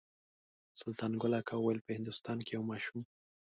سلطان ګل اکا ویل په هندوستان کې یو ماشوم.